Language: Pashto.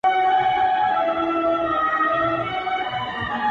• چي ياد پاته وي، ياد د نازولي زمانې.